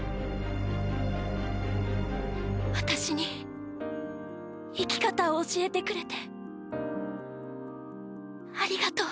私に生き方を教えてくれてありがとう。